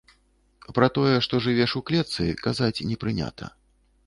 Пра тое, што жывеш у клетцы, казаць не прынята.